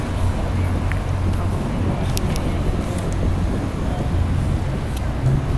আপনারা প্রকাশের জন্য প্রস্তুত হলে, আমি অবশ্যই আপনাদের হাতে তুলে দেব।